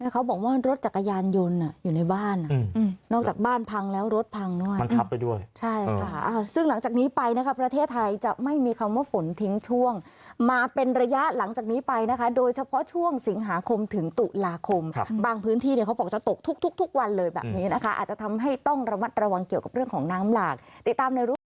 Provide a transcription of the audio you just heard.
ครับผมมีคนทั้งโทรด้วยครับอยู่ข้างบ้าน